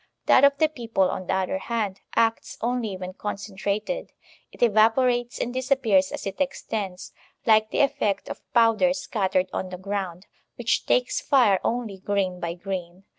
♦ That of the people, on the other hand, acts only when concentrated; it evai>orates and disappears as it extends, like the effect of powder scattered on the ground, which takes fire only grain by grain.